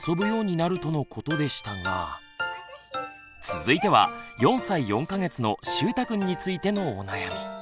続いては４歳４か月のしゅうたくんについてのお悩み。